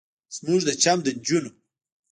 زموږ د چم د نجونو